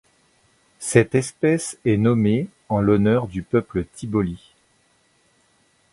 Cette espèce est nommée en l'honneur du peuple Tiboli.